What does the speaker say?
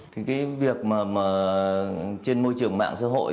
thì cái việc mà trên môi trường mạng xã hội